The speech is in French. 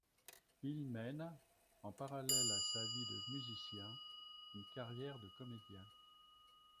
Il mène, en parallèle à sa vie de musicien, une carrière de comédien.